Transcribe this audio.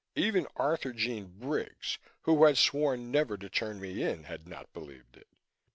Even Arthurjean Briggs, who had sworn never to turn me in, had not believed it.